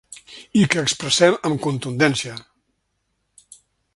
I que expressem amb contundència.